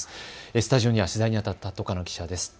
スタジオには取材にあたった戸叶記者です。